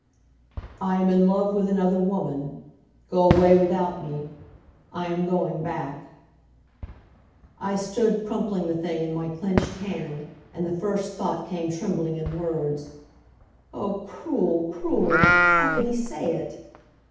"I am in love with another woman. Go away without me. I am going back." I stood crumpling the thing in my clenched hand and the first thought came trembling in words: "Oh, cruel, cruel! How could he say it!"